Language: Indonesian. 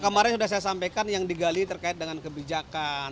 kemarin sudah saya sampaikan yang digali terkait dengan kebijakan